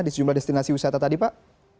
di sejumlah destinasi wisata tadi pak